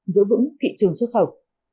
giữ vững thị trường xuất khẩu